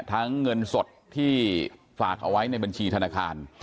เงินสดที่ฝากเอาไว้ในบัญชีธนาคาร